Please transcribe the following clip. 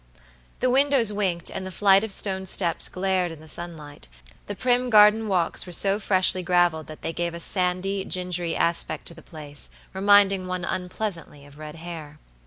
The windows winked and the flight of stone steps glared in the sunlight, the prim garden walks were so freshly graveled that they gave a sandy, gingery aspect to the place, reminding one unpleasantly of red hair.